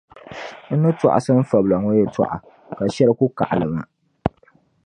N ni tɔɣisi n fabila ŋɔ yɛtɔɣa ka shɛli ku kaɣili ma.